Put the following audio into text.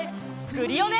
クリオネ！